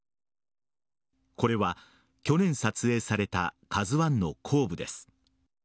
これは去年撮影された「ＫＡＺＵ１」の後部です。